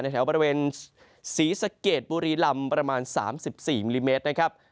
แถวบริเวณศรีสะเกดบุรีลำประมาณ๓๔มิลลิเมตรนะครับ